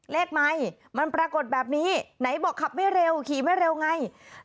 ไมค์มันปรากฏแบบนี้ไหนบอกขับไม่เร็วขี่ไม่เร็วไง